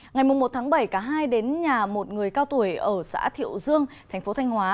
ngày một một bảy cả hai đến nhà một người cao tuổi ở xã thiệu dương tp thanh hóa